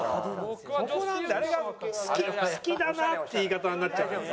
あれが「好きだな」って言い方になっちゃうから。